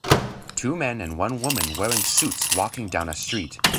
Two men and one woman wearing suits walking down a street.